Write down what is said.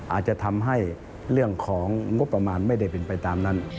อาจจะทำให้เรื่องของงบประมาณไม่ได้เป็นไปตามนั้น